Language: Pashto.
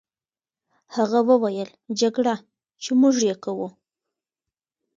هغه وویل: جګړه، چې موږ یې کوو.